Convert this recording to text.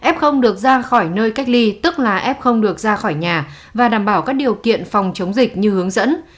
f được ra khỏi nơi cách ly tức là f không được ra khỏi nhà và đảm bảo các điều kiện phòng chống dịch như hướng dẫn